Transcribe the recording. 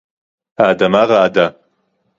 הָאֲדָמָה רָעֲדָה